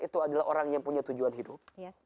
itu adalah orang yang punya tujuan hidup